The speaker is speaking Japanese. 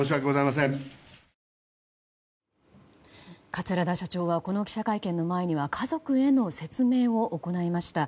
桂田社長はこの記者会見の前には家族への説明を行いました。